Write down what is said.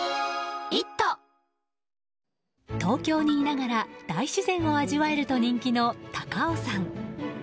東京にいながら大自然を味わえると人気の高尾山。